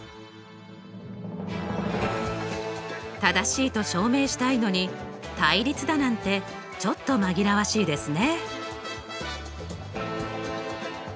正しいと証明したいのに対立だなんてちょっと紛らわしいですね。